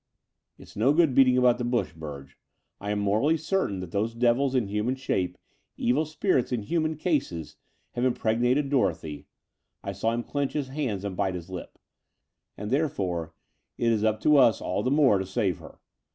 '*It is no good beating about the bush, Burge. I am morally certain that those devils in human shape, evil spirits in human cases, have impr^ nated Dorothy" — I saw him clench his hands and bite his lip — and, therefore, it is up to us all the more to save her.